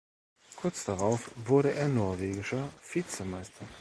Kurz darauf wurde er Norwegischer Vizemeister.